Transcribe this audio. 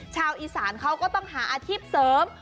ชาวอีสานเขาก็ต้องหาอาชีพเสริม